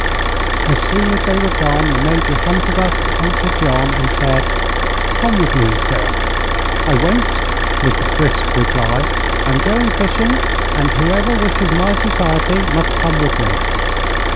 As soon as they were gone the Major hunted up Uncle John and said: "Come with me, sir." "I won't," was the brisk reply; "I'm going fishing, and whoever wishes my society must come with me."